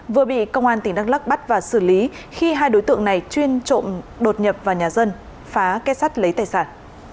vừa bị công an tỉnh đắk lắc bắt và xử lý khi hai đối tượng này chuyên đột nhập vào nhà dân phá kết sắt lấy tài sản